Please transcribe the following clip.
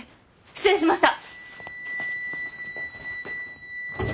失礼しました！